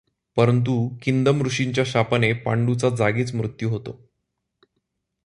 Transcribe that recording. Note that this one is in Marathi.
परंतु किंदम ऋषींच्या शापाने पांडूचा जागीच मृत्यु होतो.